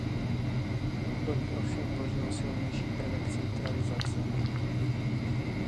Do ní ovšem vložil silnější prvek centralizace.